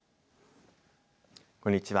こんにちは。